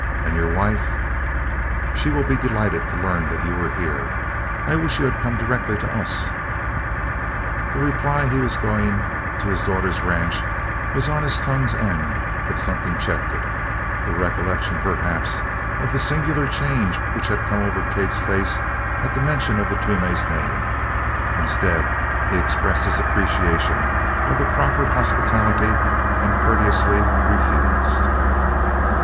"And your wife?" "She will be delighted to learn you are here. I wish you had come direct to us." The reply that he was going to his daughter's ranch was on his tongue's end, but something checked it the recollection perhaps of the singular change which had come over Kate's face at the mention of the Toomeys' name; instead, he expressed his appreciation of the proffered hospitality and courteously refused.